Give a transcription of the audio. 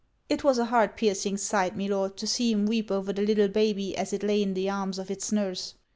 'It was an heart piercing sight, Milor, to see him weep over the little baby as it lay in the arms of it's nurse.